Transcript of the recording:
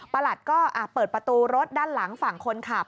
หลัดก็เปิดประตูรถด้านหลังฝั่งคนขับ